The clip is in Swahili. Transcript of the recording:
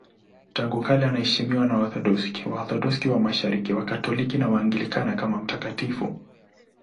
Tangu kale anaheshimiwa na Waorthodoksi, Waorthodoksi wa Mashariki, Wakatoliki na Waanglikana kama mtakatifu.